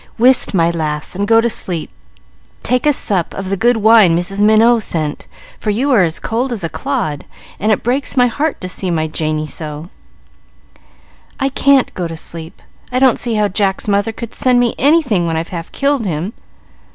"Whist, my lass, and go to sleep. Take a sup of the good wine Mrs. Minot sent, for you are as cold as a clod, and it breaks my heart to see my Janey so." "I can't go to sleep; I don't see how Jack's mother could send me anything when I've half killed him.